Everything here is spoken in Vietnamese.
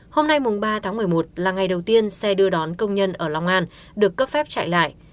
hôm nay mùng ba tháng một mươi một là ngày đầu tiên xe đưa đón công nhân ở long an được cấp phép chạy lại